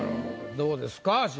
どうですか？